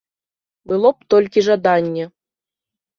Было б толькі жаданне.